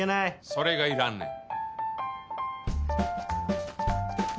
それがいらんねん。